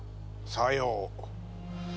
さよう。